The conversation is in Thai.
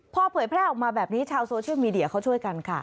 พอเผยแพร่ออกมาแบบนี้ชาวโซเชียลมีเดียเขาช่วยกันค่ะ